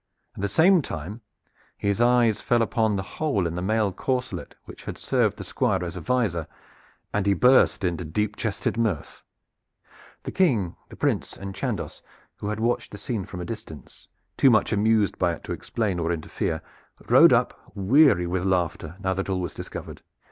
At the same time his eyes fell upon the hole in the mail corselet which had served the Squire as a visor, and he burst into deep chested mirth. The King, the Prince and Chandos, who had watched the scene from a distance, too much amused by it to explain or interfere, rode up weary with laughter, now that all was discovered.